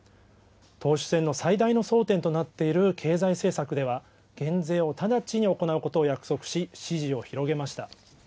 党首選の最大の争点となっている経済政策では、減税を直ちに行うことを約束し、支持を広げました。